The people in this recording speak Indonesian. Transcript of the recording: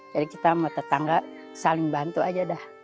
jadi kita sama tetangga saling bantu aja dah